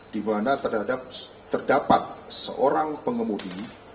dimana terdapat seorang pengemudi